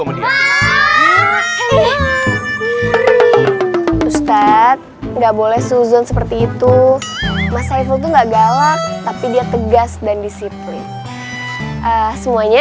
ustadz nggak boleh susan seperti itu masa itu enggak galak tapi dia tegas dan disiplin semuanya